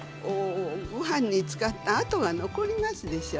ごはんに使ったあと残りますでしょう。